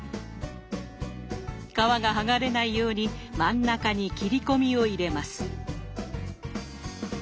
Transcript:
皮がはがれないように真ん中に切り込みを入れます。